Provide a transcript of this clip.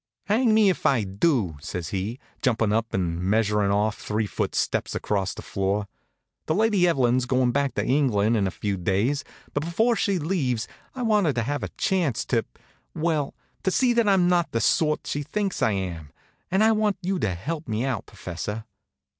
"Hang me if I do!" says he, jumpin' up and measurin' off three foot steps across the floor. "The Lady Evelyn's going back to England in a few days, but before she leaves I want her to have a chance to well, to see that I'm not the sort she thinks I am. And I want you to help me out, professor."